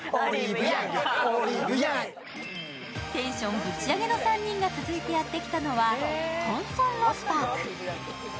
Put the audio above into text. テンションぶち上げの３人が続いてやってきたのは、トンソンロスパーク。